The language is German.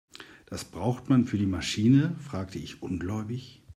Das braucht man für die Maschine?, fragte ich ungläubig.